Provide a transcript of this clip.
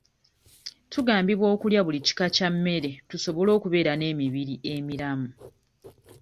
Tugambibwa okulya buli kika kya mmere tusobole okubeera n'emibiri emiramu.